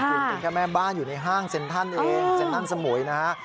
คุณเป็นแค่แม่บ้านอยู่ในห้างเซ็นทรัลเองเซ็นทรัลสมุยนะฮะ